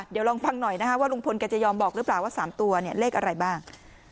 เดี๋ยวลองฟังหน่อยนะคะว่าลุงพลแกจะยอมบอกหรือเปล่าว่า๓ตัวเนี่ยเลขอะไรบ้าง